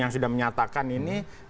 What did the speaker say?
yang sudah menyatakan ini